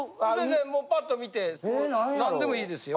パッと見て何でもいいですよ。